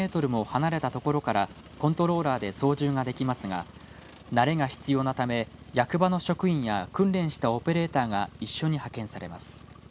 最大で１７５メートルも離れた所からコントローラーで操縦ができますが慣れが必要なため役場の職員や訓練したオペレーターが一緒に派遣されます。